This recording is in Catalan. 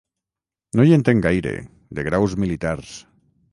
No hi entenc gaire, de graus militars.